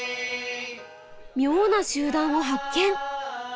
妙な集団を発見。